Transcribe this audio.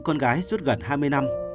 con gái suốt gần hai mươi năm